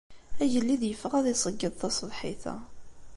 Agellid yeffeɣ ad iṣeyyed taṣebḥit-a.